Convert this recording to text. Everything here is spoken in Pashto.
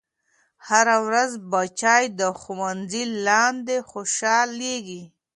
هره ورځ بچے د ښوونځي لاندې خوشحالېږي.